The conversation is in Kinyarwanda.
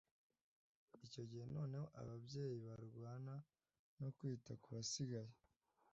icyo gihe noneho ababyeyi barwana no kwita ku basigaye